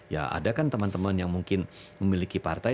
ya ada kan teman teman yang mungkin memiliki partai